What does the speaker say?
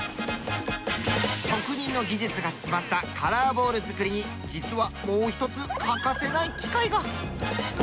職人の技術が詰まったカラーボール作りに実はもう一つ欠かせない機械が。